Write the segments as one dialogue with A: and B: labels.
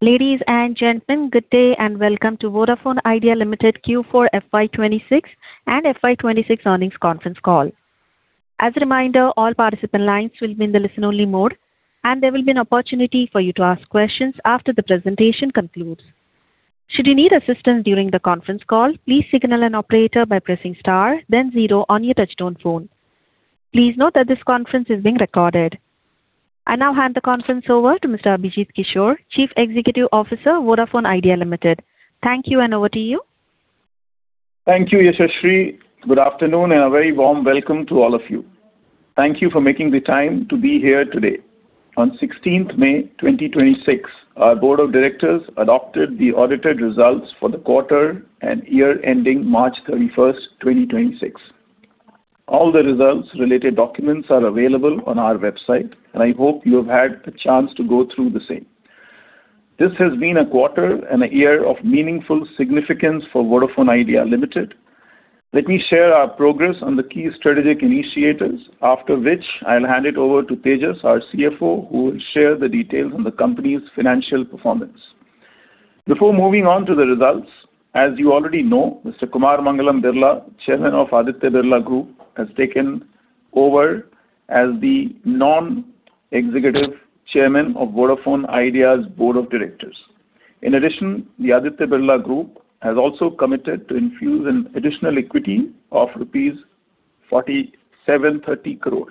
A: Ladies and gentlemen, good day and welcome to Vodafone Idea Limited Q4 FY 2026 and FY 2026 Earnings Conference Call. As a reminder, all participant lines will be in the listen only mode and there will be an opportunity for you to ask questions after the presentation concludes. Should you need assistance during the conference call, please signal an operator by pressing star, then zero on your touch tone phone. Please note that this conference is being recorded. I now hand the conference over to Mr. Abhijit Kishore, Chief Executive Officer, Vodafone Idea Limited. Thank you, and over to you.
B: Thank you, Yashashree. Good afternoon and a very warm welcome to all of you. Thank you for making the time to be here today. On 16th May 2026, our board of directors adopted the audited results for the quarter and year ending March 31st, 2026. All the results related documents are available on our website, and I hope you have had the chance to go through the same. This has been a quarter and a year of meaningful significance for Vodafone Idea Limited. Let me share our progress on the key strategic initiators. After which I'll hand it over to Tejas, our CFO, who will share the details on the company's financial performance. Before moving on to the results, as you already know, Mr. Kumar Mangalam Birla, Chairman of Aditya Birla Group, has taken over as the Non-Executive Chairman of Vodafone Idea's Board of Directors. In addition, the Aditya Birla Group has also committed to infuse an additional equity of rupees 4,730 crore.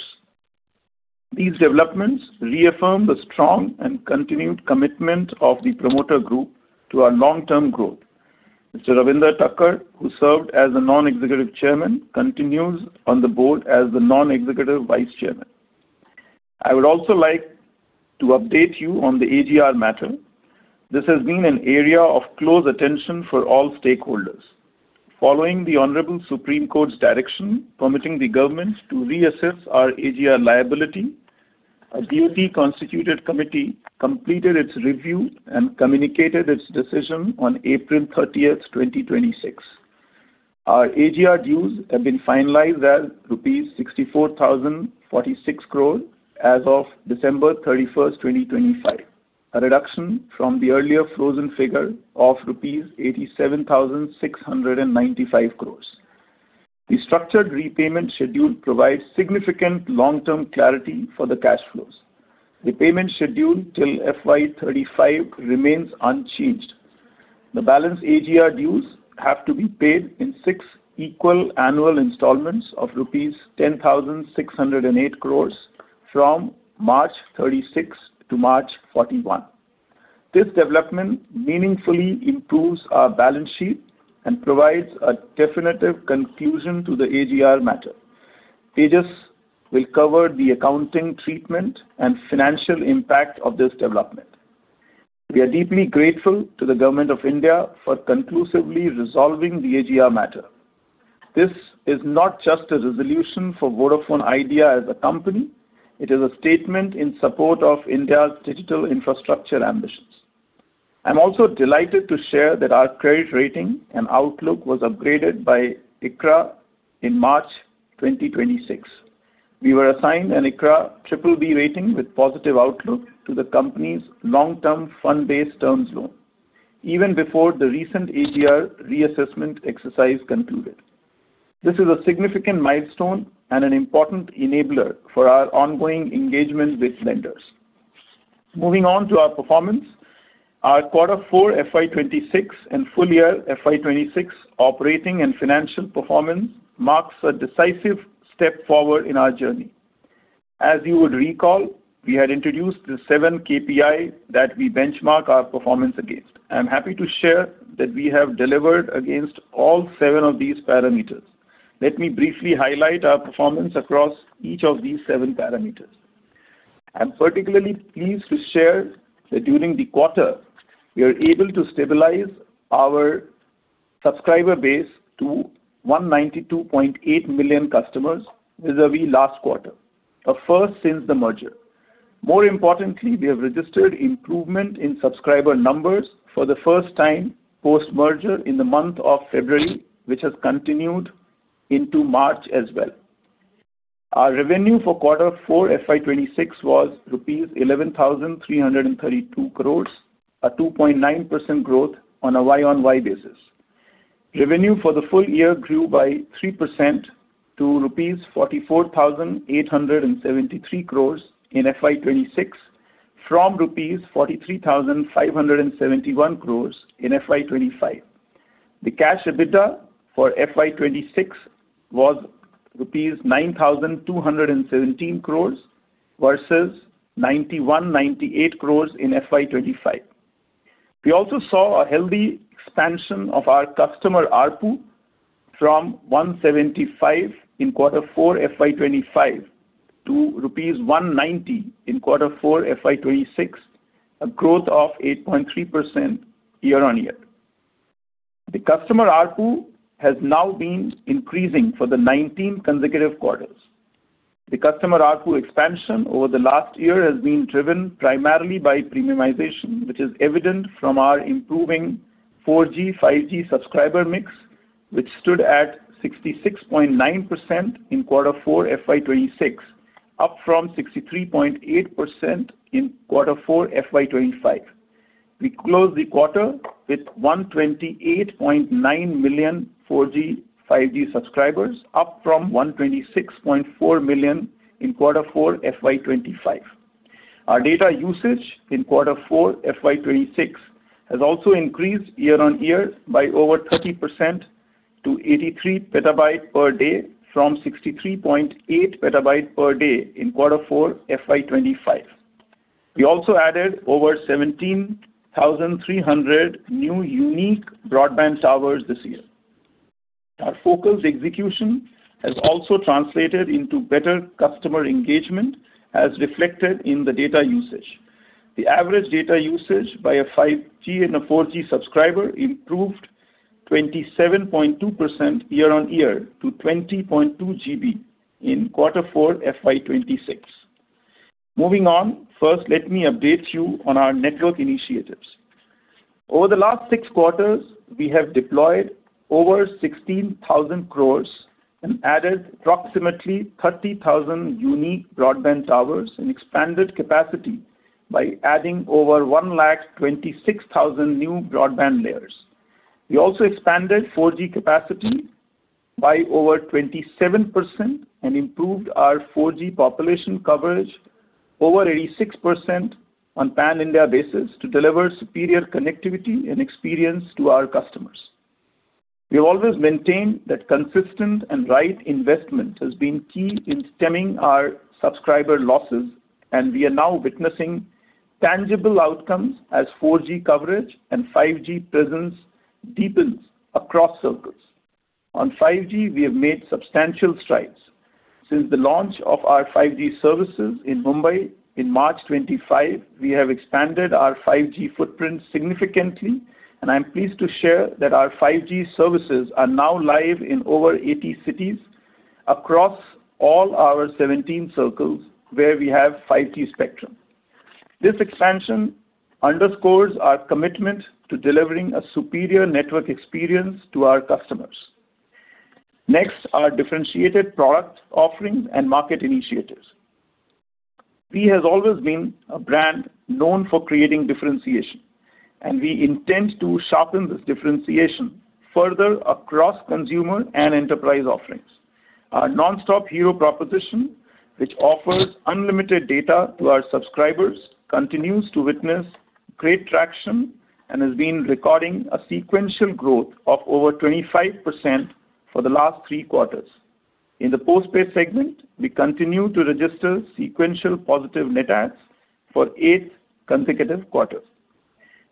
B: These developments reaffirm the strong and continued commitment of the promoter group to our long-term growth. Mr. Ravinder Takkar, who served as the Non-Executive Chairman, continues on the Board as the Non-Executive Vice Chairman. I would also like to update you on the AGR matter. This has been an area of close attention for all stakeholders. Following the Honorable Supreme Court's direction permitting the government to reassess our AGR liability, a DoT constituted committee completed its review and communicated its decision on April 30th, 2026. Our AGR dues have been finalized at rupees 64,046 crore as of December 31st, 2025, a reduction from the earlier frozen figure of rupees 87,695 crore. The structured repayment schedule provides significant long-term clarity for the cash flows. The payment schedule till FY 2035 remains unchanged. The balance AGR dues have to be paid in six equal annual installments of rupees 10,608 crores from March 2036 to March 2041. This development meaningfully improves our balance sheet and provides a definitive conclusion to the AGR matter. Tejas will cover the accounting treatment and financial impact of this development. We are deeply grateful to the Government of India for conclusively resolving the AGR matter. This is not just a resolution for Vodafone Idea as a company, it is a statement in support of India's digital infrastructure ambitions. I'm also delighted to share that our credit rating and outlook was upgraded by ICRA in March 2026. We were assigned an ICRA BBB rating with positive outlook to the company's long-term fund-based terms loan even before the recent AGR reassessment exercise concluded. This is a significant milestone and an important enabler for our ongoing engagement with lenders. Moving on to our performance. Our quarter four FY 2026 and full year FY 2026 operating and financial performance marks a decisive step forward in our journey. As you would recall, we had introduced the seven KPI that we benchmark our performance against. I am happy to share that we have delivered against all seven of these parameters. Let me briefly highlight our performance across each of these seven parameters. I'm particularly pleased to share that during the quarter, we are able to stabilize our subscriber base to 192.8 million customers vis-a-vis last quarter. A first since the merger. More importantly, we have registered improvement in subscriber numbers for the first time post-merger in the month of February, which has continued into March as well. Our revenue for quarter four FY 2026 was rupees 11,332 crore, a 2.9% growth on a YoY basis. Revenue for the full year grew by 3% to 44,873 crore rupees in FY 2026 from 43,571 crore rupees in FY 2025. The cash EBITDA for FY 2026 was rupees 9,217 crore versus 9,198 crore in FY 2025. We also saw a healthy expansion of our customer ARPU from 175 in quarter four FY 2025 to rupees 190 in quarter four FY 2026, a growth of 8.3% year-on-year. The customer ARPU has now been increasing for the 19 consecutive quarters. The customer ARPU expansion over the last year has been driven primarily by premiumization, which is evident from our improving 4G, 5G subscriber mix, which stood at 66.9% in quarter four FY 2026, up from 63.8% in quarter four FY 2025. We closed the quarter with 128.9 million 4G/5G subscribers, up from 126.4 million in quarter four FY 2025. Our data usage in quarter four FY 2026 has also increased year-on-year by over 30% to 83 PB/day from 63.8 PB/day in quarter four FY 2025. We also added over 17,300 new unique broadband towers this year. Our focused execution has also translated into better customer engagement, as reflected in the data usage. The average data usage by a 5G and a 4G subscriber improved 27.2% year-on-year to 20.2 GB in quarter four FY 2026. Moving on. First, let me update you on our network initiatives. Over the last six quarters, we have deployed over 16,000 crore and added approximately 30,000 unique broadband towers and expanded capacity by adding over 126,000 new broadband layers. We also expanded 4G capacity by over 27% and improved our 4G population coverage over 86% on pan-India basis to deliver superior connectivity and experience to our customers. We have always maintained that consistent and right investment has been key in stemming our subscriber losses, and we are now witnessing tangible outcomes as 4G coverage and 5G presence deepens across circles. On 5G we have made substantial strides. Since the launch of our 5G services in Mumbai in March 25, we have expanded our 5G footprint significantly. I am pleased to share that our 5G services are now live in over 80 cities across all our 17 circles where we have 5G spectrum. This expansion underscores our commitment to delivering a superior network experience to our customers. Next, our differentiated product offerings and market initiatives. Vi has always been a brand known for creating differentiation. We intend to sharpen this differentiation further across consumer and enterprise offerings. Our Non-Stop Hero proposition, which offers unlimited data to our subscribers, continues to witness great traction and has been recording a sequential growth of over 25% for the last three quarters. In the postpaid segment, we continue to register sequential positive net adds for eighth consecutive quarter.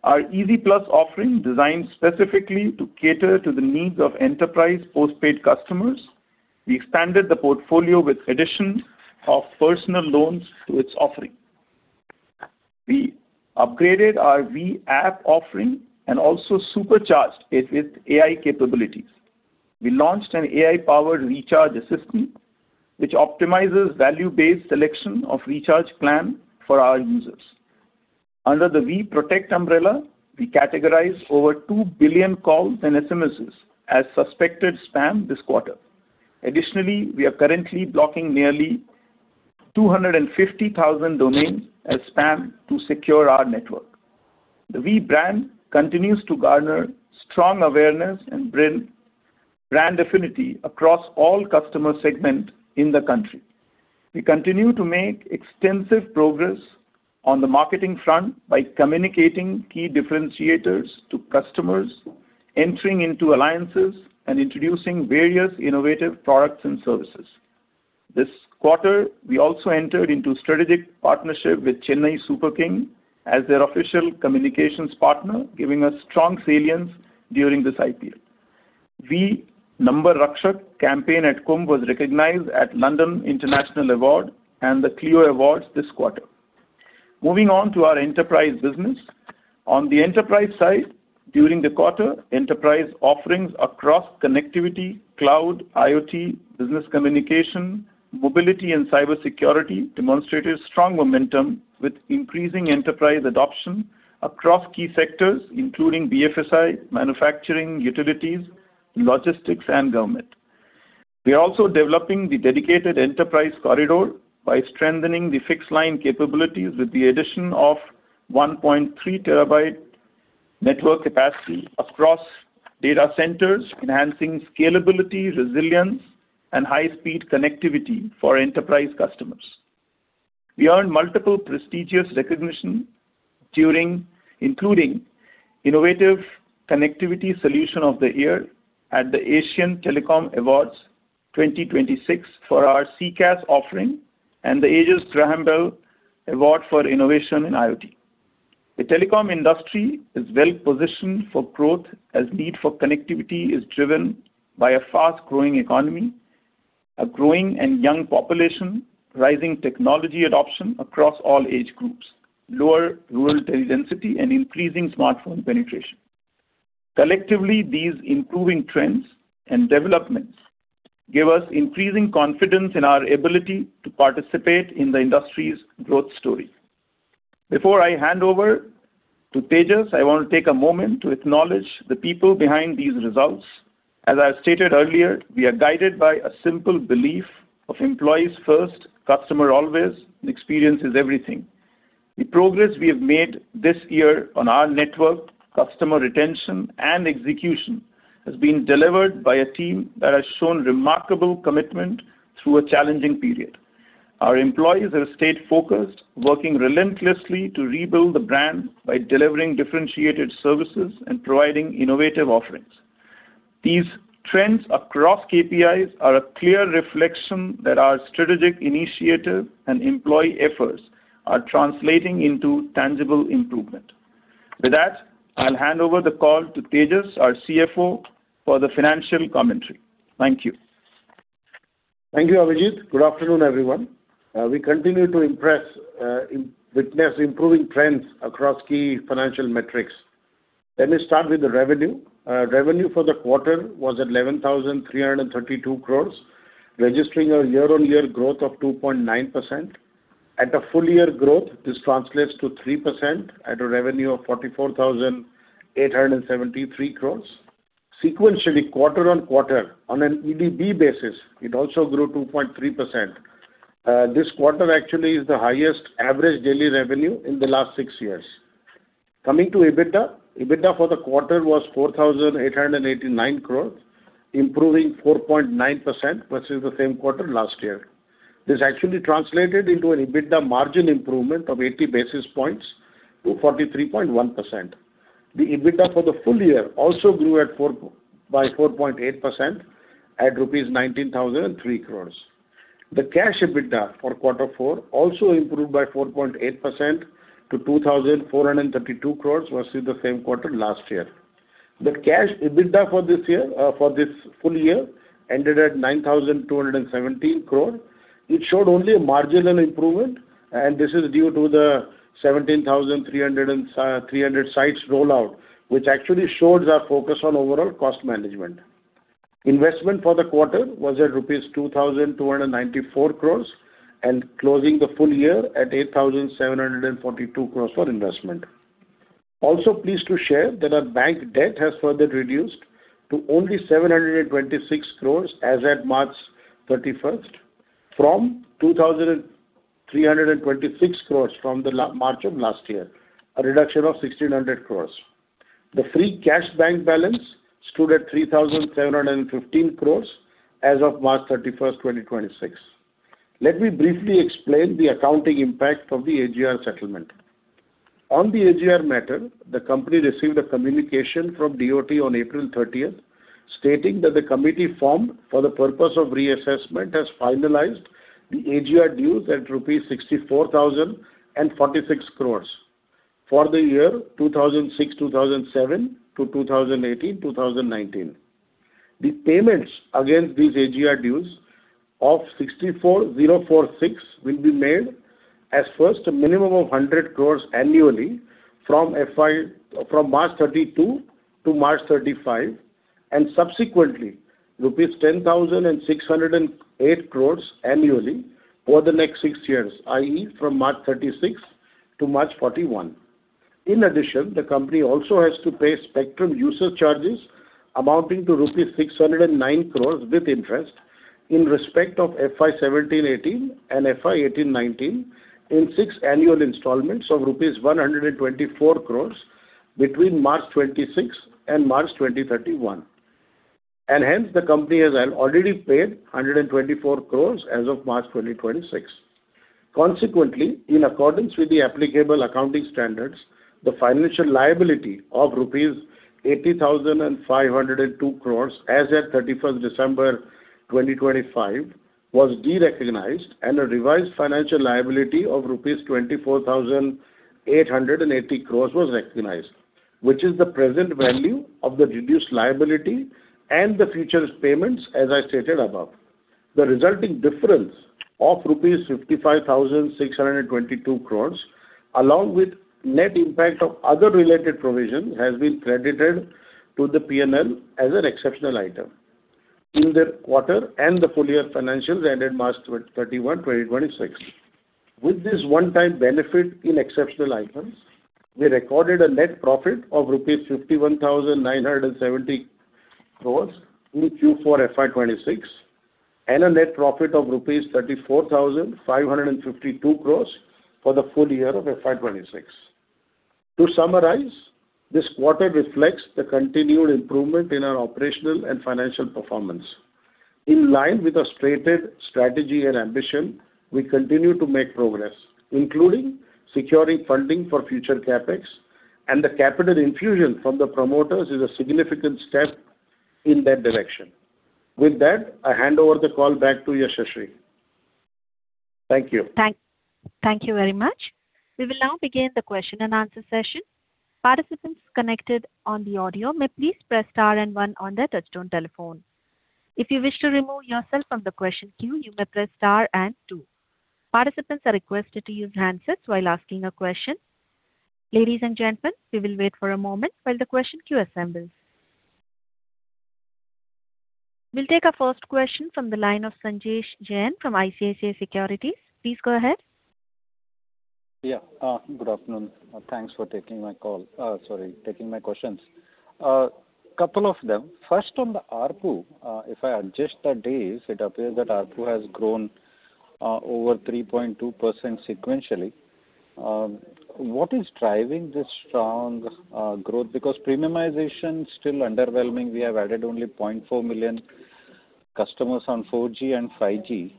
B: Our Easy+ offering designed specifically to cater to the needs of enterprise postpaid customers. We expanded the portfolio with addition of personal loans to its offering. We upgraded our Vi App offering and also supercharged it with AI capabilities. We launched an AI-powered recharge assistant, which optimizes value-based selection of recharge plan for our users. Under the Vi Protect umbrella, we categorized over 2 billion calls and SMSs as suspected spam this quarter. Additionally, we are currently blocking nearly 250,000 domains as spam to secure our network. The Vi brand continues to garner strong awareness and brand affinity across all customer segment in the country. We continue to make extensive progress on the marketing front by communicating key differentiators to customers, entering into alliances, and introducing various innovative products and services. This quarter, we also entered into strategic partnership with Chennai Super Kings as their official communications partner, giving us strong salience during this IPL. Vi Number Rakshak campaign at Kumbh was recognized at London International Awards and the Clio Awards this quarter. Moving on to our enterprise business. On the enterprise side, during the quarter, enterprise offerings across connectivity, cloud, IoT, business communication, mobility, and cybersecurity demonstrated strong momentum with increasing enterprise adoption across key sectors, including BFSI, manufacturing, utilities, logistics, and government. We are also developing the dedicated enterprise corridor by strengthening the fixed line capabilities with the addition of 1.3 TB network capacity across data centers, enhancing scalability, resilience, and high-speed connectivity for enterprise customers. We earned multiple prestigious recognition, including Innovative Connectivity Solution of the Year at the Asian Telecom Awards 2026 for our CCaaS offering and the Aegis Graham Bell Award for innovation in IoT. The telecom industry is well positioned for growth as need for connectivity is driven by a fast-growing economy, a growing and young population, rising technology adoption across all age groups, lower rural tele-density, and increasing smartphone penetration. Collectively, these improving trends and developments give us increasing confidence in our ability to participate in the industry's growth story. Before I hand over to Tejas, I want to take a moment to acknowledge the people behind these results. As I stated earlier, we are guided by a simple belief of employees first, customer always, and experience is everything. The progress we have made this year on our network, customer retention, and execution has been delivered by a team that has shown remarkable commitment through a challenging period. Our employees have stayed focused, working relentlessly to rebuild the brand by delivering differentiated services and providing innovative offerings. These trends across KPIs are a clear reflection that our strategic initiatives and employee efforts are translating into tangible improvement. With that, I'll hand over the call to Tejas, our CFO, for the financial commentary. Thank you.
C: Thank you, Abhijit. Good afternoon, everyone. We continue to impress, witness improving trends across key financial metrics. Let me start with the revenue. Revenue for the quarter was 11,332 crore, registering a year-on-year growth of 2.9%. At a full year growth, this translates to 3% at a revenue of 44,873 crores. Sequentially, quarter-on-quarter, on an EBITDA basis, it also grew 2.3%. This quarter actually is the highest average daily revenue in the last six years. Coming to EBITDA. EBITDA for the quarter was 4,889 crore, improving 4.9% versus the same quarter last year. This actually translated into an EBITDA margin improvement of 80 basis points to 43.1%. The EBITDA for the full year also grew by 4.8% at rupees 19,003 crore. The cash EBITDA for quarter four also improved by 4.8% to 2,432 crore versus the same quarter last year. The cash EBITDA for this year, for this full year ended at 9,217 crore. It showed only a marginal improvement, and this is due to the 17,300 sites rollout, which actually shows our focus on overall cost management. Investment for the quarter was at rupees 2,294 crore and closing the full year at 8,742 crore for investment. Also, pleased to share that our bank debt has further reduced to only 726 crore as at March 31st from 2,326 crore from the March of last year, a reduction of 1,600 crore. The free cash bank balance stood at 3,715 crore as of March 31, 2026. Let me briefly explain the accounting impact of the AGR settlement. On the AGR matter, the company received a communication from DoT on April 30th stating that the committee formed for the purpose of reassessment has finalized the AGR dues at rupees 64,046 crore for the year 2006-2007 to 2018-2019. The payments against these AGR dues of 64,046 will be made as first a minimum of 100 crore annually from FY from March 2032 to March 2035 and subsequently rupees 10,608 crore annually for the next six years, i.e., from March 2036 to March 2041. In addition, the company also has to pay spectrum usage charges amounting to rupees 609 crore with interest in respect of FY 2017-2018 and FY 2018-2019 in six annual installments of rupees 124 crore between March 2026 and March 2031. Hence, the company has already paid 124 crore as of March 2026. Consequently, in accordance with the applicable accounting standards, the financial liability of rupees 80,502 crore as at 31st December 2025 was derecognized and a revised financial liability of rupees 24,880 crore was recognized, which is the present value of the reduced liability and the future's payments, as I stated above. The resulting difference of rupees 55,622 crore, along with net impact of other related provisions, has been credited to the P&L as an exceptional item in the quarter and the full year financials ended March 31, 2026. With this one-time benefit in exceptional items, we recorded a net profit of rupees 51,970 crore in Q4 FY 2026 and a net profit of rupees 34,552 crore for the full year of FY 2026. To summarize, this quarter reflects the continued improvement in our operational and financial performance. In line with our stated strategy and ambition, we continue to make progress, including securing funding for future CapEx, and the capital infusion from the promoters is a significant step in that direction. With that, I hand over the call back to Yashashree. Thank you.
A: Thank you very much. We will now begin the question and answer session. Participants connected on the audio may please press star and one on their touchtone telephone. If you wish to remove yourself from the question queue, you may press star and two. Participants are requested to use handsets while asking a question. Ladies and gentlemen, we will wait for a moment while the question queue assembles. We'll take our first question from the line of Sanjesh Jain from ICICI Securities. Please go ahead.
D: Yeah. Good afternoon. Thanks for taking my call. Sorry, taking my questions. Couple of them. First, on the ARPU, if I adjust the days, it appears that ARPU has grown, over 3.2% sequentially. What is driving this strong growth? Because premiumization still underwhelming, we have added only 0.4 million customers on 4G and 5G.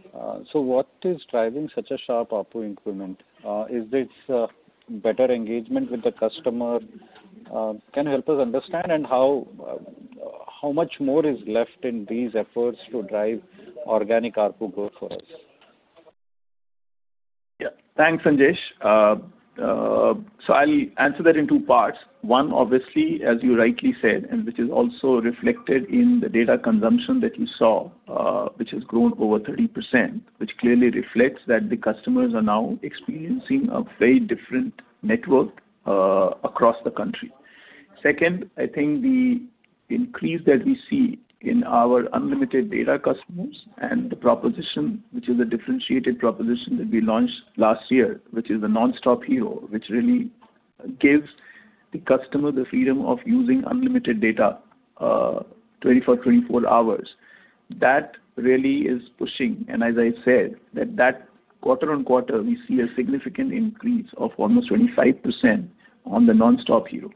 D: What is driving such a sharp ARPU improvement? Is this better engagement with the customer? Can you help us understand and how much more is left in these efforts to drive organic ARPU growth for us?
B: Yeah. Thanks, Sanjesh. I'll answer that in two parts. One, obviously, as you rightly said, and which is also reflected in the data consumption that you saw, which has grown over 30%, which clearly reflects that the customers are now experiencing a very different network across the country. Second, I think the increase that we see in our unlimited data customers and the proposition, which is a differentiated proposition that we launched last year, which is the Non-Stop Hero, which really gives the customer the freedom of using unlimited data 24/24 hours. That really is pushing, as I said, that quarter-on-quarter, we see a significant increase of almost 25% on the Non-Stop Hero.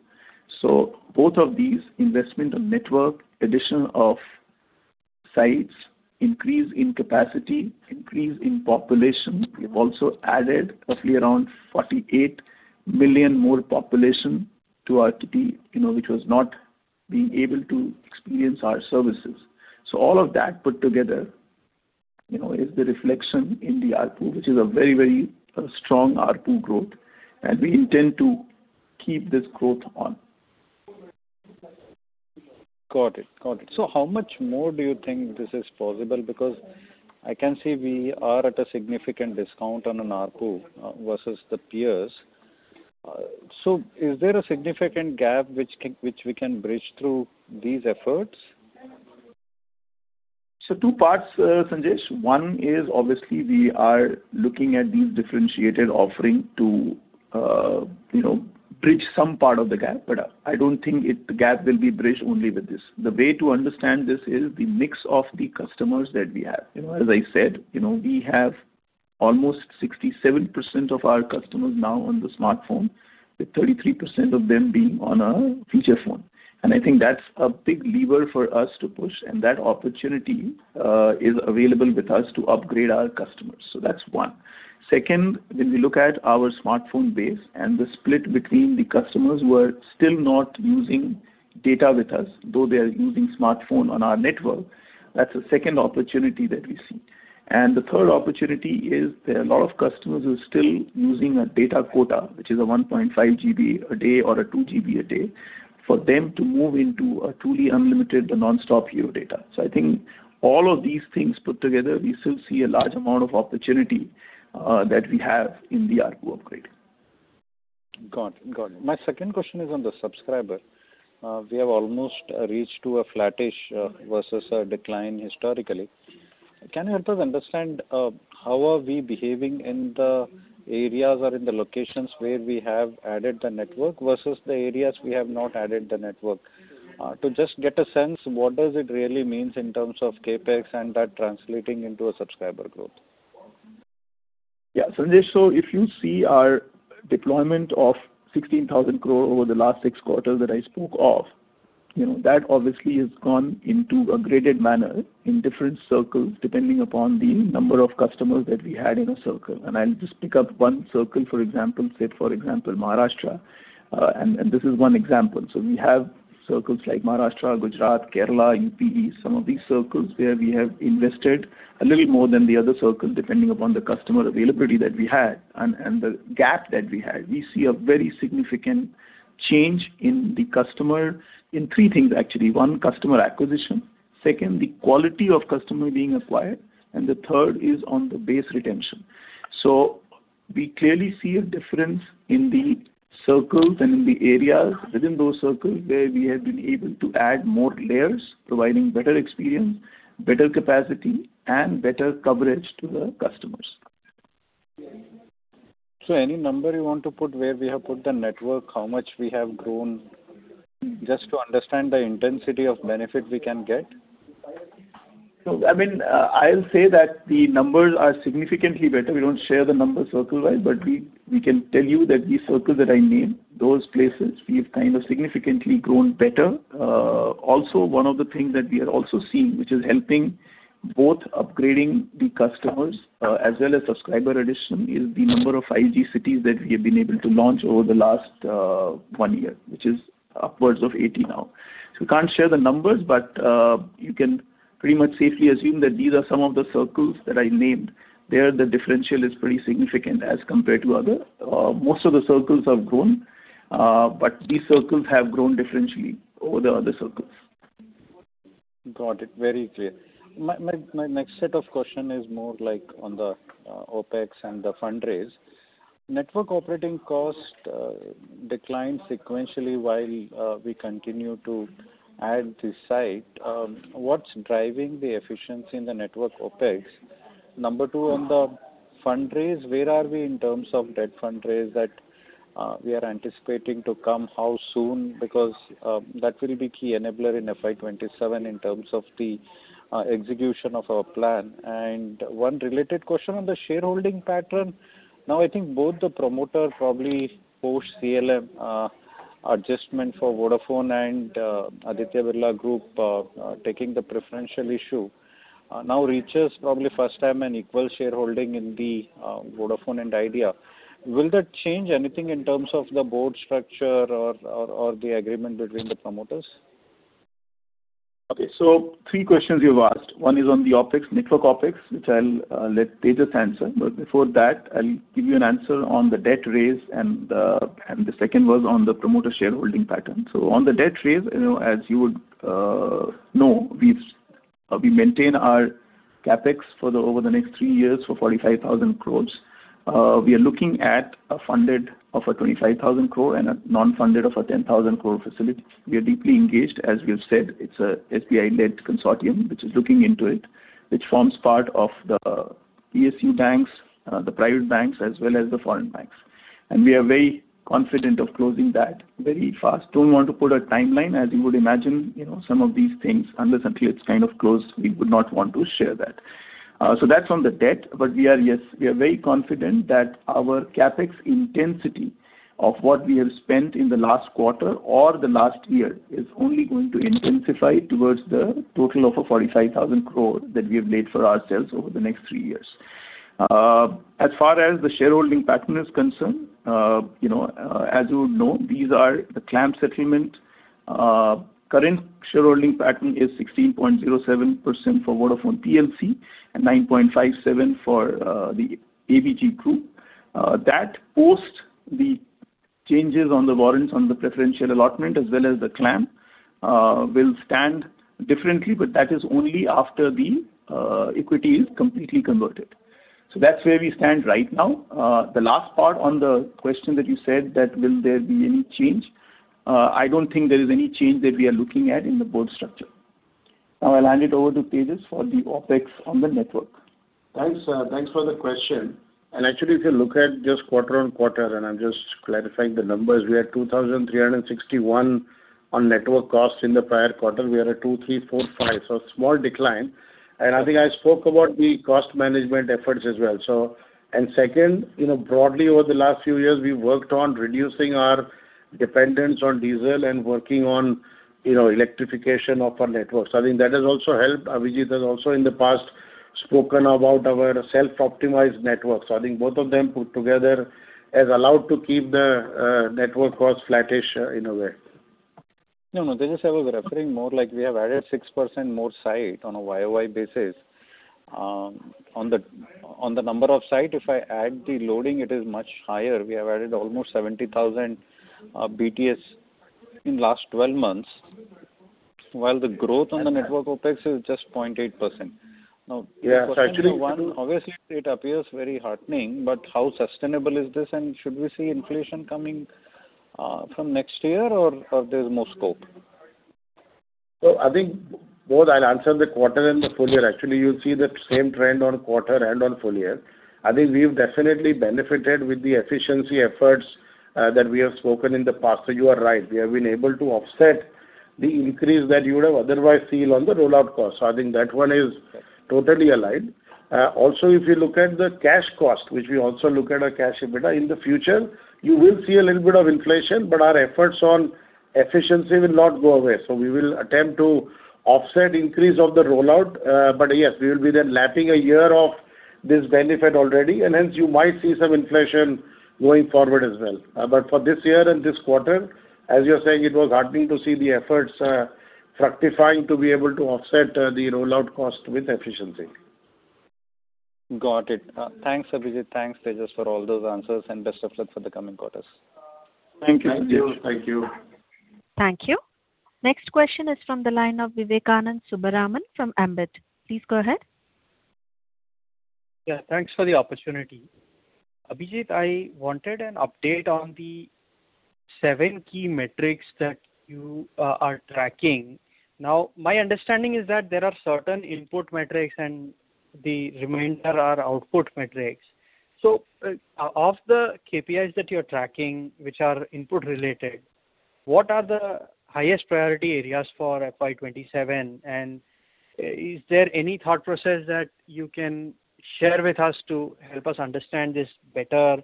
B: Both of these, investment on network, addition of sites, increase in capacity, increase in population. We've also added roughly around 48 million more population to our entity, you know, which was not being able to experience our services. All of that put together, you know, is the reflection in the ARPU, which is a very, very, strong ARPU growth, and we intend to keep this growth on.
D: Got it. Got it. How much more do you think this is possible? Because I can see we are at a significant discount on an ARPU versus the peers. Is there a significant gap which we can bridge through these efforts?
B: Two parts, Sanjesh. One is, obviously we are looking at these differentiated offering to, you know, bridge some part of the gap, but I don't think the gap will be bridged only with this. The way to understand this is the mix of the customers that we have. You know, as I said, you know, we have almost 67% of our customers now on the smartphone, with 33% of them being on a feature phone. I think that's a big lever for us to push, and that opportunity is available with us to upgrade our customers. That's one. Second, when we look at our smartphone base and the split between the customers who are still not using data with us, though they are using smartphone on our network, that's a second opportunity that we see. The third opportunity is there are a lot of customers who are still using a data quota, which is a 1.5 GB a day or a 2 GB a day, for them to move into a truly unlimited Non-Stop Hero data. I think all of these things put together, we still see a large amount of opportunity that we have in the ARPU upgrade.
D: Got it. Got it. My second question is on the subscriber. We have almost reached to a flattish versus a decline historically. Can you help us understand how are we behaving in the areas or in the locations where we have added the network versus the areas we have not added the network? To just get a sense, what does it really means in terms of CapEx and that translating into a subscriber growth?
B: Yeah. Sanjesh, if you see our deployment of 16,000 crore over the last six quarters that I spoke of, you know, that obviously has gone into a graded manner in different circles, depending upon the number of customers that we had in a circle. I'll just pick up one circle, for example, say, for example, Maharashtra, and this is one example. We have circles like Maharashtra, Gujarat, Kerala, UPE, some of these circles where we have invested a little more than the other circles, depending upon the customer availability that we had and the gap that we had. We see a very significant change in the customer, in three things actually. One, customer acquisition. Second, the quality of customer being acquired. The third is on the base retention. We clearly see a difference in the circles and in the areas within those circles where we have been able to add more layers, providing better experience, better capacity, and better coverage to the customers.
D: Any number you want to put where we have put the network, how much we have grown, just to understand the intensity of benefit we can get?
B: I mean, I'll say that the numbers are significantly better. We don't share the numbers circle-wise, but we can tell you that the circles that I named, those places, we have kind of significantly grown better. Also one of the things that we are also seeing, which is helping both upgrading the customers, as well as subscriber addition, is the number of 5G cities that we have been able to launch over the last one year, which is upwards of 80 now. We can't share the numbers, but you can pretty much safely assume that these are some of the circles that I named. There, the differential is pretty significant as compared to other. Most of the circles have grown, but these circles have grown differentially over the other circles.
D: Got it. Very clear. My next set of question is more like on the OpEx and the fundraise. Network operating cost declined sequentially while we continue to add the site. What's driving the efficiency in the network OpEx? Number two, on the fundraise, where are we in terms of debt fundraise that we are anticipating to come, how soon? Because that will be key enabler in FY 2027 in terms of the execution of our plan. One related question on the shareholding pattern. Now, I think both the promoter probably post CLM adjustment for Vodafone and Aditya Birla Group taking the preferential issue now reaches probably first time an equal shareholding in the Vodafone and Idea. Will that change anything in terms of the board structure or the agreement between the promoters?
B: Okay. Three questions you've asked. One is on the OpEx, network OpEx, which I'll let Tejas answer. Before that, I'll give you an answer on the debt raise and the second was on the promoter shareholding pattern. On the debt raise, you know, as you would know, we've, we maintain our CapEx for the over the next three years for 45,000 crore. We are looking at a funded of a 25,000 crore and a non-funded of a 10,000 crore facility. We are deeply engaged. As we've said, it's a SBI-led consortium which is looking into it, which forms part of the PSU banks, the private banks, as well as the foreign banks. We are very confident of closing that very fast. Don't want to put a timeline. As you would imagine, you know, some of these things, until it's kind of closed, we would not want to share that. That's on the debt. We are, yes, we are very confident that our CapEx intensity of what we have spent in the last quarter or the last year is only going to intensify towards the total of a 45,000 crore that we have laid for ourselves over the next three years. As far as the shareholding pattern is concerned, you know, as you would know, these are the claim settlement. Current shareholding pattern is 16.07% for Vodafone Plc. 9.57% for the ABG Group. That post the changes on the warrants on the preferential allotment as well as the claim, will stand differently, but that is only after the equity is completely converted. That's where we stand right now. The last part on the question that you said that will there be any change, I don't think there is any change that we are looking at in the board structure. Now, I'll hand it over to Tejas for the OpEx on the network.
C: Thanks, thanks for the question. If you look at just quarter-on-quarter, and I'm just clarifying the numbers, we are 2,361 on network costs in the prior quarter. We are at 2,345, so small decline. I think I spoke about the cost management efforts as well. Second, you know, broadly over the last few years, we've worked on reducing our dependence on diesel and working on, you know, electrification of our networks. I think that has also helped. Abhijit has also in the past spoken about our self-optimized networks. I think both of them put together has allowed to keep the network cost flattish in a way.
D: No, no. Tejas, I was referring more like we have added 6% more site on a YoY basis. On the number of site, if I add the loading, it is much higher. We have added almost 70,000 BTS in last 12 months, while the growth on the network OpEx is just 0.8%.
C: Yeah.
D: One, obviously it appears very heartening, but how sustainable is this? Should we see inflation coming from next year or there's more scope?
C: I think those, I'll answer the quarter and the full year. Actually, you'll see the same trend on quarter and on full year. I think we've definitely benefited with the efficiency efforts that we have spoken in the past. You are right. We have been able to offset the increase that you would have otherwise seen on the rollout cost. I think that one is totally aligned. Also, If you look at the cash cost, which we also look at our cash EBITDA, in the future, you will see a little bit of inflation, but our efforts on efficiency will not go away. We will attempt to offset increase of the rollout. Yes, we will be then lapping a year of this benefit already, and hence you might see some inflation going forward as well. For this year and this quarter, as you are saying, it was heartening to see the efforts fructifying to be able to offset the rollout cost with efficiency.
D: Got it. Thanks, Abhijit. Thanks, Tejas, for all those answers, and best of luck for the coming quarters.
C: Thank you.
B: Thank you.
A: Thank you. Next question is from the line of Vivekanand Subbaraman from Ambit. Please go ahead.
E: Yeah. Thanks for the opportunity. Abhijit, I wanted an update on the seven key metrics that you are tracking. Now, my understanding is that there are certain input metrics, and the remainder are output metrics so of the KPIs that you're tracking, which are input related, what are the highest priority areas for FY 2027? Is there any thought process that you can share with us to help us understand this better?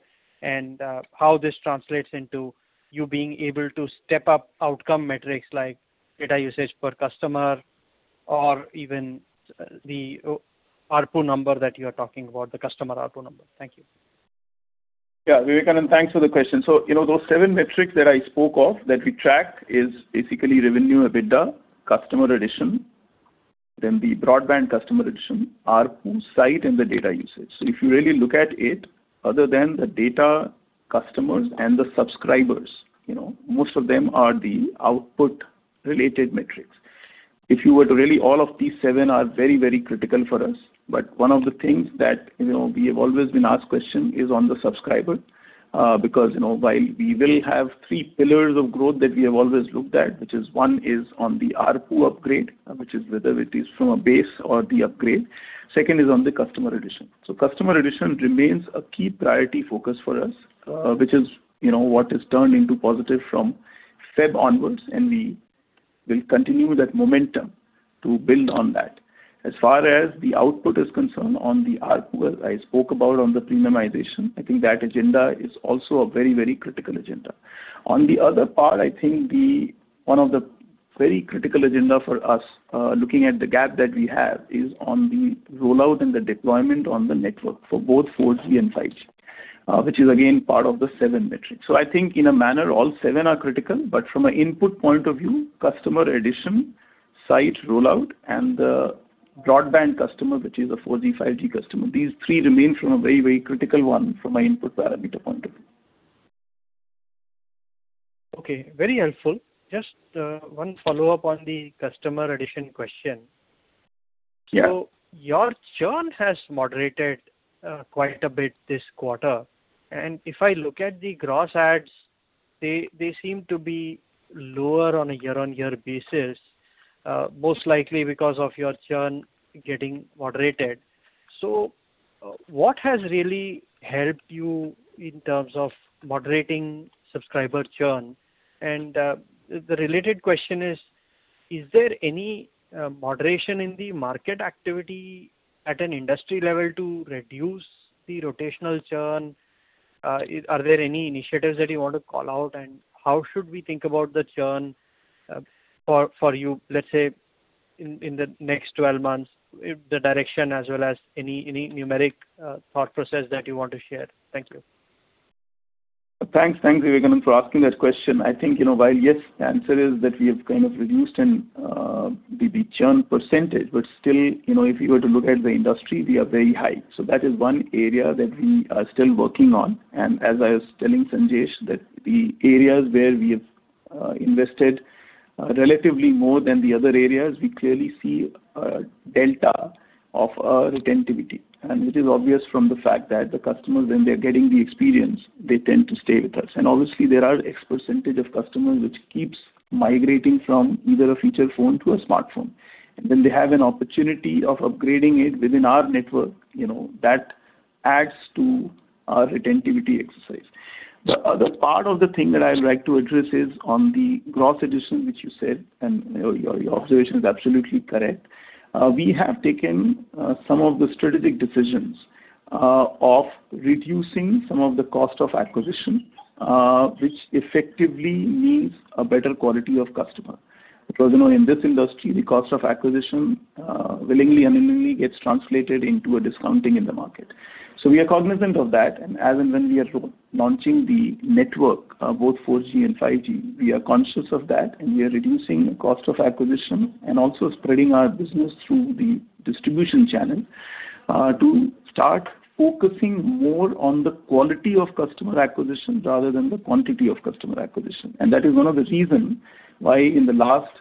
E: How this translates into you being able to step up outcome metrics like data usage per customer, or even the ARPU number that you are talking about the customer ARPU number? Thank you.
B: Yeah, Vivekanand. Thanks for the question. You know, those seven metrics that I spoke of that we track is basically revenue, EBITDA, customer addition, then the broadband customer addition, ARPU, site, and the data usage. If you really look at it, other than the data customers and the subscribers, you know, most of them are the output related metrics. If you were to really, all of these seven are very, very critical for us. One of the things that, you know, we have always been asked question is on the subscriber, because, you know, while we will have three pillars of growth that we have always looked at, which is one is on the ARPU upgrade, which is whether it is from a base or the upgrade. Second is on the customer addition. Customer addition remains a key priority focus for us, you know, what has turned into positive from February onwards, and we will continue that momentum to build on that. As far as the output is concerned on the ARPU, well, I spoke about on the premiumization. I think that agenda is also a very, very critical agenda. On the other part, I think the one of the very critical agenda for us, looking at the gap that we have, is on the rollout and the deployment on the network for both 4G and 5G, which is again, part of the seven metrics. I think in a manner, all seven are critical, but from a input point of view, customer addition, site rollout, and the broadband customer, which is a 4G, 5G customer, these three remain from a very critical one from a input parameter point of view.
E: Okay, very helpful. Just, one follow-up on the customer addition question.
B: Yeah.
E: Your churn has moderated quite a bit this quarter. If I look at the gross adds, they seem to be lower on a year-over-year basis, most likely because of your churn getting moderated. What has really helped you in terms of moderating subscriber churn? The related question is there any moderation in the market activity at an industry level to reduce the rotational churn? Are there any initiatives that you want to call out, and how should we think about the churn for you, let's say in the next 12 months, if the direction as well as any numeric thought process that you want to share? Thank you.
B: Thanks. Thank you, Vivekanand, for asking that question. I think, you know, while, yes, the answer is that we have kind of reduced in the churn percentage, still, you know, if you were to look at the industry, we are very high. That is one area that we are still working on. As I was telling Sanjesh, that the areas where we have invested relatively more than the other areas, we clearly see a delta of retentivity. It is obvious from the fact that the customers, when they're getting the experience, they tend to stay with us. Obviously, there are X% of customers which keeps migrating from either a feature phone to a smartphone. When they have an opportunity of upgrading it within our network, you know, that adds to our retentivity exercise. The other part of the thing that I would like to address is on the gross addition, which you said, and, you know, your observation is absolutely correct. We have taken some of the strategic decisions of reducing some of the cost of acquisition, which effectively means a better quality of customer. You know, in this industry, the cost of acquisition, willingly, unwillingly gets translated into a discounting in the market. We are cognizant of that. As and when we are launching the network, both 4G and 5G, we are conscious of that, and we are reducing the cost of acquisition and also spreading our business through the distribution channel to start focusing more on the quality of customer acquisition rather than the quantity of customer acquisition. That is one of the reason why in the last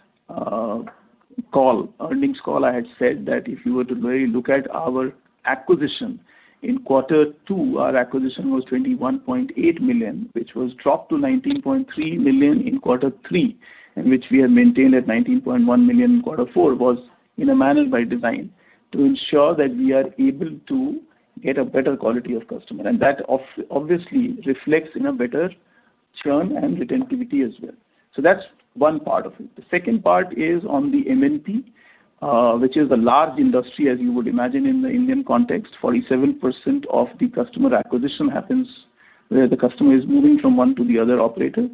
B: call, earnings call, I had said that if you were to really look at our acquisition, in quarter two, our acquisition was 21.8 million, which was dropped to 19.3 million in quarter three, and which we have maintained at 19.1 million in quarter four, was in a manner by design to ensure that we are able to get a better quality of customer. That obviously reflects in a better churn and retentivity as well. That's one part of it. The second part is on the MNP, which is a large industry, as you would imagine in the Indian context. 47% of the customer acquisition happens where the customer is moving from one to the other operator.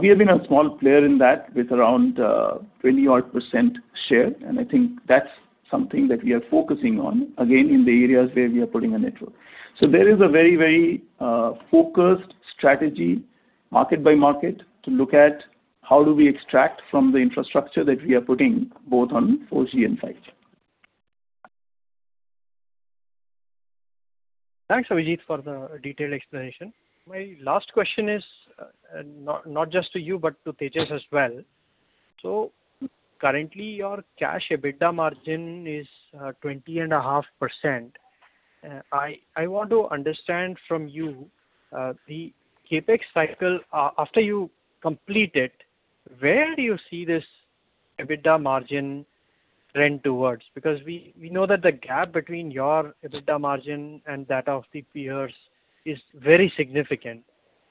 B: We have been a small player in that with around 20-odd percent share, and I think that's something that we are focusing on, again, in the areas where we are putting a network. There is a very, very focused strategy market by market to look at how do we extract from the infrastructure that we are putting both on 4G and 5G.
E: Thanks, Abhijit, for the detailed explanation. My last question is not just to you, but to Tejas as well. Currently, your cash EBITDA margin is 20.5%. I want to understand from you, the CapEx cycle, after you complete it, where do you see this EBITDA margin trend towards? We know that the gap between your EBITDA margin and that of the peers is very significant.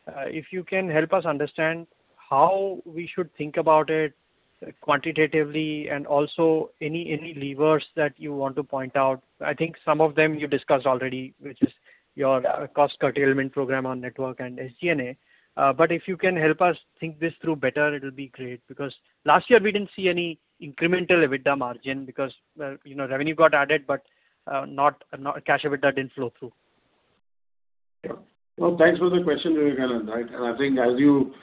E: If you can help us understand how we should think about it quantitatively and also any levers that you want to point out. I think some of them you discussed already, which is your cost curtailment program on network and SG&A. If you can help us think this through better, it'll be great. Last year, we didn't see any incremental EBITDA margin because, well, you know, revenue got added, but not cash EBITDA didn't flow through.
C: Well, thanks for the question, Vivekanand. I think as you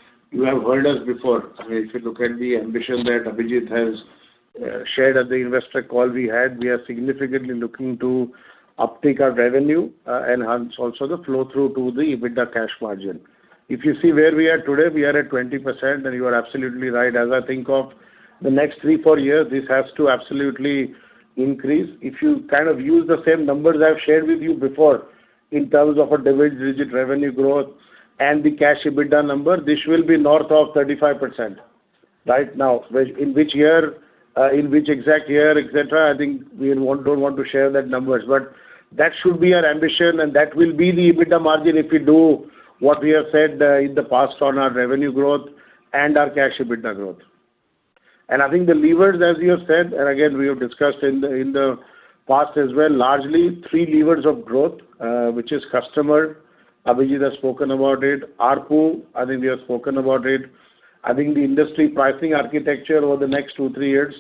C: have heard us before, I mean, if you look at the ambition that Abhijit has shared at the investor call we had, we are significantly looking to uptick our revenue, and hence also the flow through to the EBITDA cash margin. If you see where we are today, we are at 20%, and you are absolutely right. As I think of the next three, four years, this has to absolutely increase. If you kind of use the same numbers I've shared with you before in terms of a double-digit revenue growth and the cash EBITDA number, this will be north of 35% right now. Which, in which year, in which exact year, et cetera, I think we don't want to share that numbers. That should be our ambition, and that will be the EBITDA margin if we do what we have said in the past on our revenue growth and our cash EBITDA growth. I think the levers, as you have said, and again, we have discussed in the past as well, largely three levers of growth, which is customer, Abhijit has spoken about it. ARPU, I think we have spoken about it. I think the industry pricing architecture over the next two, three years,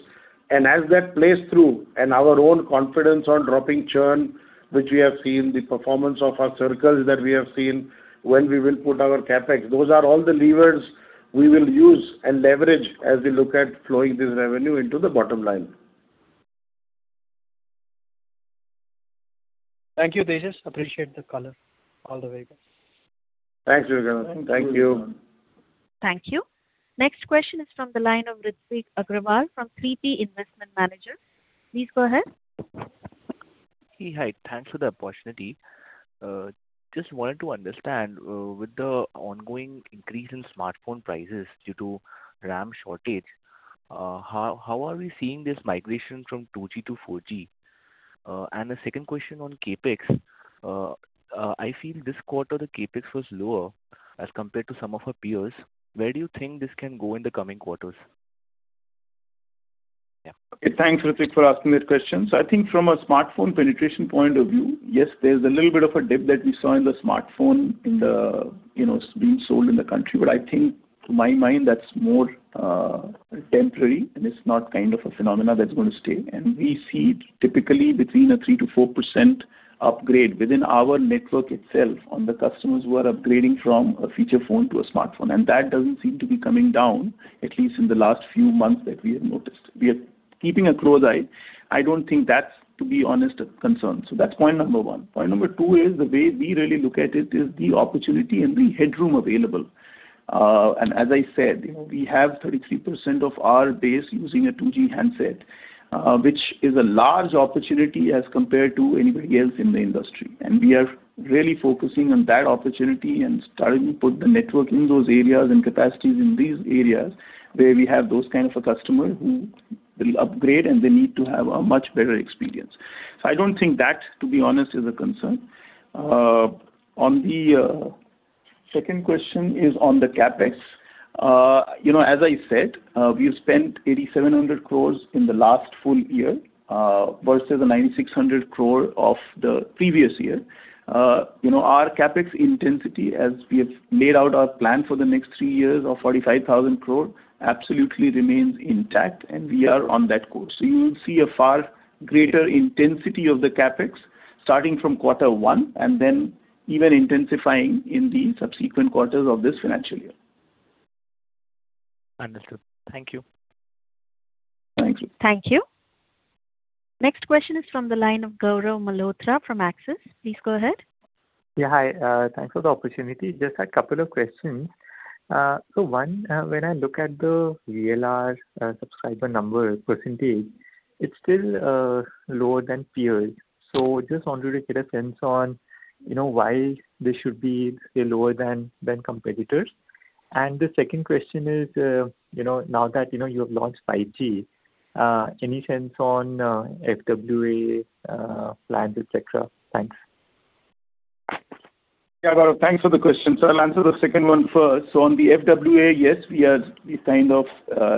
C: and as that plays through and our own confidence on dropping churn, which we have seen, the performance of our circles that we have seen when we will put our CapEx. Those are all the levers we will use and leverage as we look at flowing this revenue into the bottom line.
E: Thank you, Tejas. Appreciate the color all the way.
C: Thanks, Vivekanand. Thank you.
A: Thank you. Next question is from the line of Ritvik Agrawal from 3P Investment Managers. Please go ahead.
F: Hey. Hi. Thanks for the opportunity. Just wanted to understand, with the ongoing increase in smartphone prices due to RAM shortage, how are we seeing this migration from 2G to 4G? The second question on CapEx, I feel this quarter the CapEx was lower as compared to some of our peers. Where do you think this can go in the coming quarters? Yeah.
C: Thanks, Ritvik, for asking that question. I think from a smartphone penetration point of view, yes, there's a little bit of a dip that we saw in the smartphone being sold in the country. I think to my mind, that's more temporary, and it's not kind of a phenomenon that's gonna stay. We see typically between a 3%-4% upgrade within our network itself on the customers who are upgrading from a feature phone to a smartphone. That doesn't seem to be coming down, at least in the last few months that we have noticed. We are keeping a close eye. I don't think that's, to be honest, a concern. That's point number one. Point number two is the way we really look at it is the opportunity and the headroom available. As I said, you know, we have 33% of our base using a 2G handset, which is a large opportunity as compared to anybody else in the industry. We are really focusing on that opportunity and starting to put the network in those areas and capacities in these areas where we have those kind of a customer who will upgrade, and they need to have a much better experience. I don't think that, to be honest, is a concern. On the second question is on the CapEx. You know, as I said, we have spent 8,700 crore in the last full year, versus the 9,600 crore of the previous year. You know, our CapEx intensity, as we have laid out our plan for the next three years of 45,000 crore, absolutely remains intact, and we are on that course. You will see a far greater intensity of the CapEx starting from quarter one and then even intensifying in the subsequent quarters of this financial year.
F: Understood. Thank you.
C: Thank you.
A: Thank you. Next question is from the line of Gaurav Malhotra from Axis. Please go ahead.
G: Yeah. Hi. Thanks for the opportunity. Just a couple of questions. One, when I look at the VLR subscriber number percentage, it's still lower than peers. Just wanted to get a sense on, you know, why this should be, say, lower than competitors. The second question is, you know, now that, you know, you have launched 5G, any sense on FWA plans, et cetera? Thanks.
C: Yeah, Gaurav. Thanks for the question. I'll answer the second one first. On the FWA, yes, we are, we kind of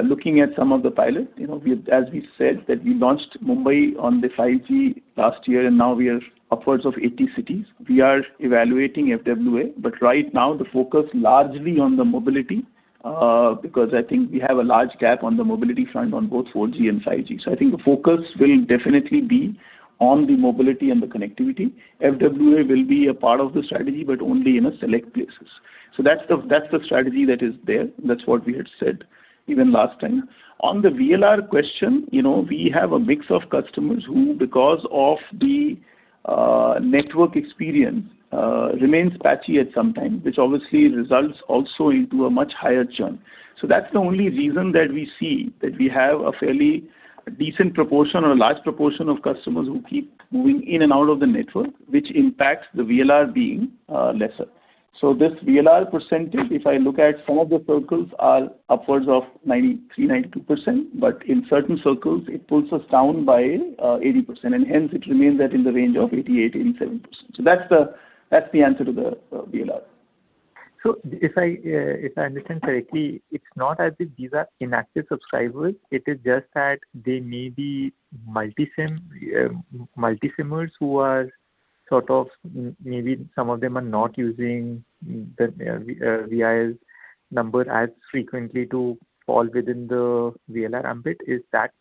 C: looking at some of the pilots. You know, we, as we said, that we launched Mumbai on the 5G last year, and now we are upwards of 80 cities. We are evaluating FWA. Right now, the focus largely on the mobility, because I think we have a large gap on the mobility front on both 4G and 5G. I think the focus will definitely be on the mobility and the connectivity. FWA will be a part of the strategy, but only in a select places. That's the strategy that is there. That's what we had said even last time. On the VLR question, you know, we have a mix of customers who, because of the network experience, remains patchy at some time, which obviously results also into a much higher churn. That's the only reason that we see that we have a fairly decent proportion or a large proportion of customers who keep moving in and out of the network, which impacts the VLR being lesser. This VLR percentage, if I look at some of the circles are upwards of 93%, 92%, but in certain circles it pulls us down by 80%, and hence it remains in the range of 88%-87%. That's the answer to the VLR.
G: If I understand correctly, it's not as if these are inactive subscribers, it is just that they may be multi-SIM, multi-SIMers who are sort of, maybe some of them are not using the Vi number as frequently to fall within the VLR ambit. Is that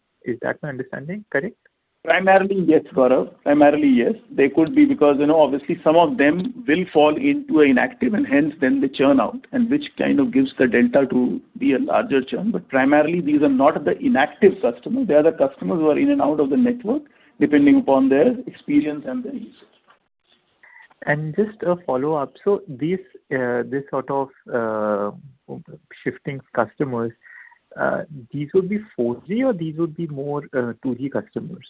G: my understanding correct?
C: Primarily, yes, Gaurav. Primarily, yes. They could be because, you know, obviously some of them will fall into a inactive and hence then they churn out, and which kind of gives the delta to be a larger churn. Primarily, these are not the inactive customers. They are the customers who are in and out of the network, depending upon their experience and their usage.
G: Just a follow-up. This, this sort of, shifting customers, these would be 4G or these would be more, 2G customers?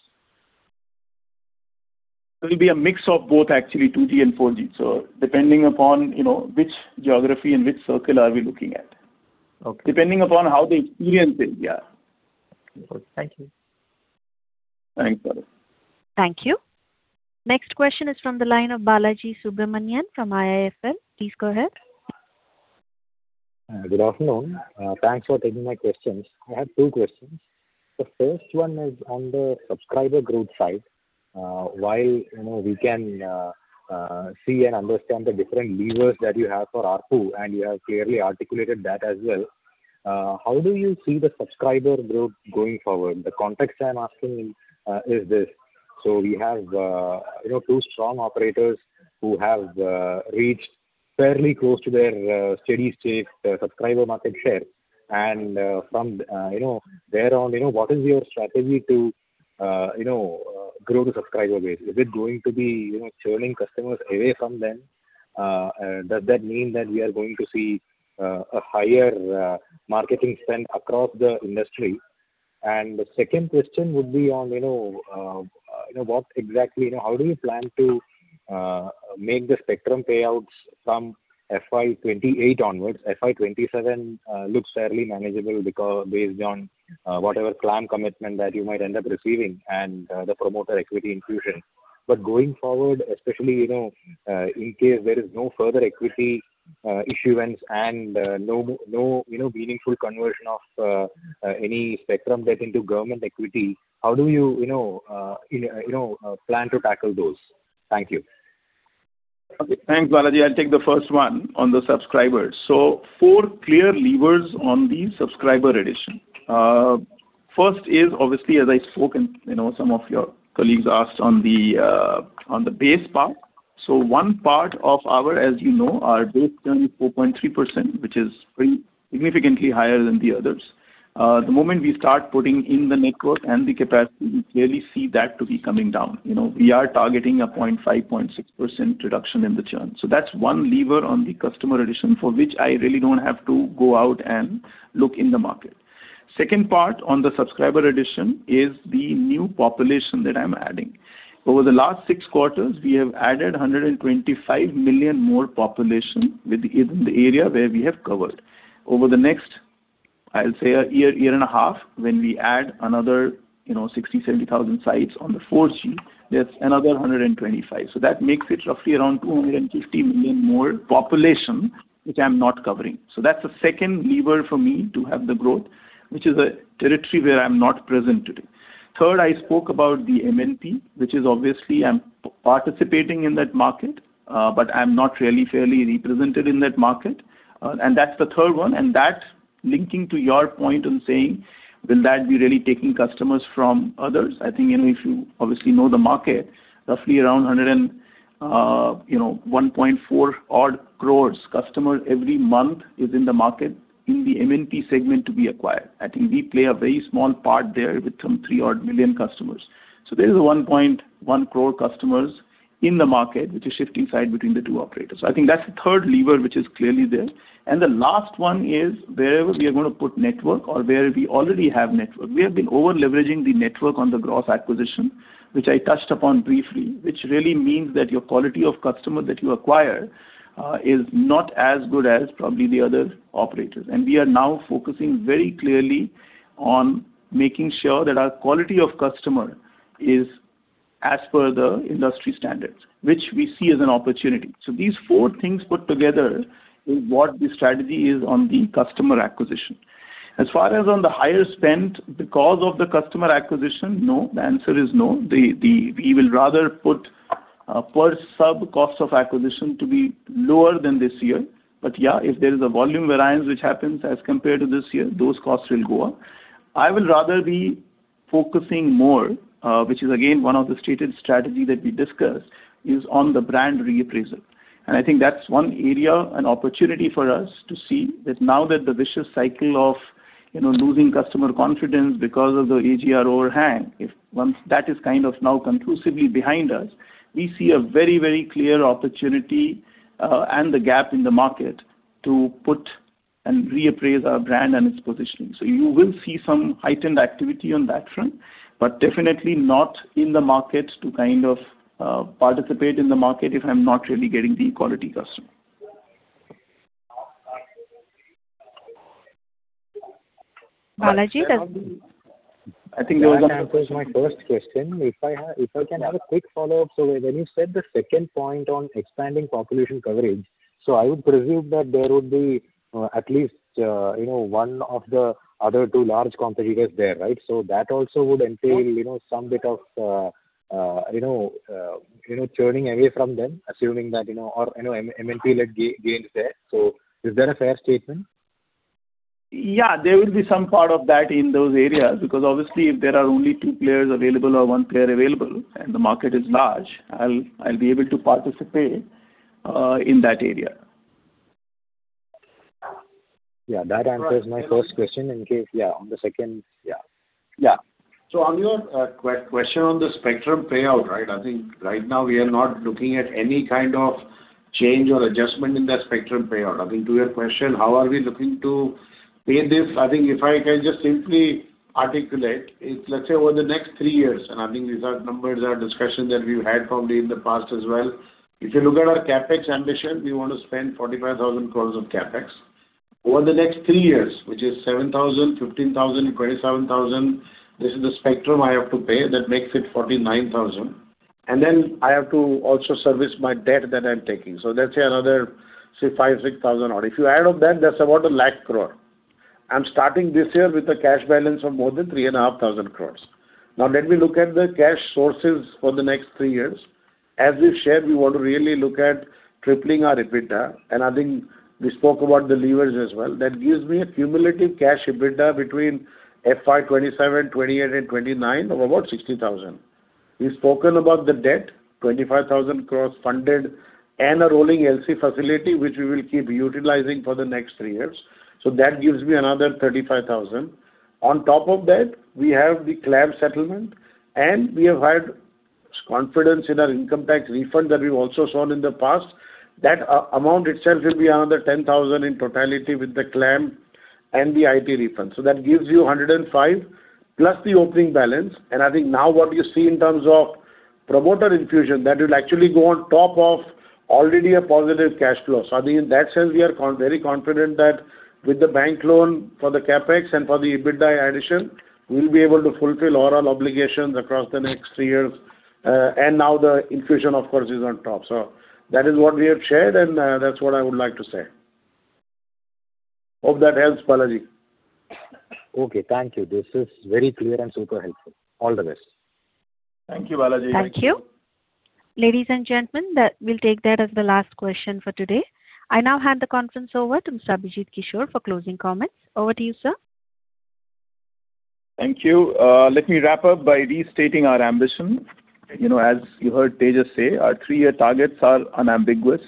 B: It will be a mix of both, actually, 2G and 4G. Depending upon, you know, which geography and which circle are we looking at.
G: Okay.
B: Depending upon how the experience is, yeah.
G: Thank you.
B: Thanks, Gaurav.
A: Thank you. Next question is from the line of Balaji Subramanian from IIFL. Please go ahead.
H: Good afternoon. Thanks for taking my questions. I have two questions. The first one is on the subscriber growth side. While, you know, we can see and understand the different levers that you have for ARPU, and you have clearly articulated that as well, how do you see the subscriber growth going forward? The context I'm asking is this. We have, you know, two strong operators who have reached fairly close to their steady-state subscriber market share. From, you know, there on, you know, what is your strategy to, you know, grow the subscriber base? Is it going to be, you know, churning customers away from them? Does that mean that we are going to see a higher marketing spend across the industry? The second question would be on, you know, you know, what exactly you know, how do you plan to make the spectrum payouts from FY 2028 onwards? FY 2027 looks fairly manageable because based on whatever claim commitment that you might end up receiving and the promoter equity infusion. Going forward, especially, you know, in case there is no further equity issuance and no, you know, meaningful conversion of any spectrum debt into government equity, how do you know, plan to tackle those? Thank you.
B: Okay. Thanks, Balaji. I'll take the first one on the subscribers. four clear levers on the subscriber addition. First is obviously, as I've spoken, you know, some of your colleagues asked on the on the base part. One part of our, as you know, our base churn is 4.3%, which is pretty significantly higher than the others. The moment we start putting in the network and the capacity, we clearly see that to be coming down. You know, we are targeting a 0.5%-0.6% reduction in the churn. That's one lever on the customer addition for which I really don't have to go out and look in the market. Second part on the subscriber addition is the new population that I'm adding. Over the last six quarters, we have added 125 million more population within the area where we have covered. Over the next, I'll say a year and a half, when we add another 60,000-70,000 sites on the 4G, that's another 125. That makes it roughly around 250 million more population, which I'm not covering. That's the second lever for me to have the growth, which is a territory where I'm not present today. Third, I spoke about the MNP, which is obviously I'm participating in that market, but I'm not really fairly represented in that market. That's the third one, that, linking to your point on saying, will that be really taking customers from others? I think, you know, if you obviously know the market, roughly around 1.4 odd crore customers every month is in the market in the MNP segment to be acquired. I think we play a very small part there with some three odd million customers. There is a 1.1 crore customers in the market, which is shifting side between the two operators. I think that's the third lever, which is clearly there. The last one is wherever we are gonna put network or where we already have network. We have been over-leveraging the network on the gross acquisition, which I touched upon briefly, which really means that your quality of customer that you acquire is not as good as probably the other operators. We are now focusing very clearly on making sure that our quality of customer is as per the industry standards, which we see as an opportunity. These four things put together is what the strategy is on the customer acquisition. As far as on the higher spend because of the customer acquisition, no, the answer is no. We will rather put per sub cost of acquisition to be lower than this year. Yeah, if there is a volume variance which happens as compared to this year, those costs will go up. I would rather be focusing more, which is again one of the stated strategy that we discussed, is on the brand reappraisal. I think that's one area and opportunity for us to see that now that the vicious cycle of, you know, losing customer confidence because of the AGR overhang, if once that is kind of now conclusively behind us, we see a very, very clear opportunity and the gap in the market to put and reappraise our brand and its positioning. You will see some heightened activity on that front, but definitely not in the market to kind of participate in the market if I'm not really getting the quality customer.
A: Balaji,
H: I think that answers my first question. If I can have a quick follow-up. When you said the second point on expanding population coverage, I would presume that there would be, at least, you know, one of the other two large competitors there, right? That also would entail, you know, some bit of, you know, you know, churning away from them, assuming that, you know, or, you know, MNP led gains there. Is that a fair statement?
B: Yeah, there will be some part of that in those areas, because obviously, if there are only two players available or one player available and the market is large, I'll be able to participate in that area.
H: Yeah, that answers my first question in case, yeah, on the second, yeah.
C: On your question on the spectrum payout, right? I think right now we are not looking at any kind of change or adjustment in that spectrum payout. I think to your question, how are we looking to pay this? I think if I can just simply articulate, if, let's say, over the next three years, I think these are numbers or discussions that we've had probably in the past as well. If you look at our CapEx ambition, we want to spend 45,000 crore of CapEx. Over the next three years, which is 7,000, 15,000, 27,000. This is the spectrum I have to pay. That makes it 49,000. Then I have to also service my debt that I'm taking. Let's say another, say, 5,000-6,000. If you add up that's about 1 lakh crore. I'm starting this year with a cash balance of more than 3,500 crore. Let me look at the cash sources for the next three years. As we've shared, we want to really look at tripling our EBITDA, and I think we spoke about the levers as well. That gives me a cumulative cash EBITDA between FY 2027, 2028 and 2029 of about 60,000. We've spoken about the debt, 25,000 crores funded and a rolling LC facility, which we will keep utilizing for the next three years. That gives me another 35,000. On top of that, we have the claim settlement, and we have had confidence in our income tax refund that we've also shown in the past. That amount itself will be another 10,000 in totality with the claim and the IT refund. That gives you 105+ the opening balance. I think now what you see in terms of promoter infusion, that will actually go on top of already a positive cash flow. I think in that sense, we are very confident that with the bank loan for the CapEx and for the EBITDA addition, we'll be able to fulfill all our obligations across the next three years. Now the infusion, of course, is on top. That is what we have shared, and that's what I would like to say. Hope that helps, Balaji.
H: Okay, thank you. This is very clear and super helpful. All the best.
C: Thank you, Balaji.
A: Thank you. Ladies and gentlemen, that we'll take that as the last question for today. I now hand the conference over to Mr. Abhijit Kishore for closing comments. Over to you, sir.
B: Thank you. Let me wrap up by restating our ambition. You know, as you heard Tejas say, our three-year targets are unambiguous,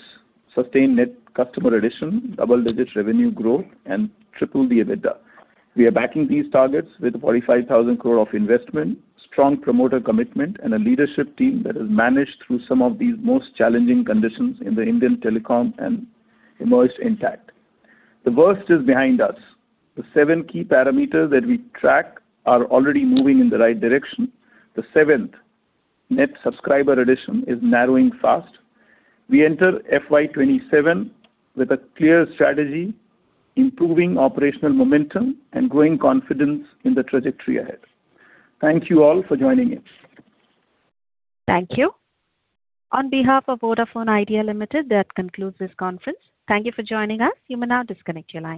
B: sustained net customer addition, double-digit revenue growth and triple the EBITDA. We are backing these targets with 45,000 crore of investment, strong promoter commitment and a leadership team that has managed through some of the most challenging conditions in the Indian telecom and emerged intact. The worst is behind us. The seven key parameters that we track are already moving in the right direction. The seventh, net subscriber addition, is narrowing fast. We enter FY 2027 with a clear strategy, improving operational momentum and growing confidence in the trajectory ahead. Thank you all for joining in.
A: Thank you. On behalf of Vodafone Idea Limited, that concludes this conference. Thank you for joining us. You may now disconnect your line.